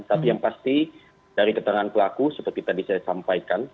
tapi yang pasti dari keterangan pelaku seperti tadi saya sampaikan